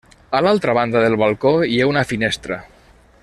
A l'altra banda del balcó hi ha una finestra.